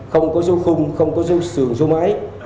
không có số khung không có sườn số máy